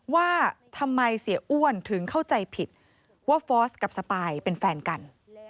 ว่าทำไมเสียอ้วนถึงเข้าใจผิดว่าฟอร์สกับสปายเป็นแฟนกัน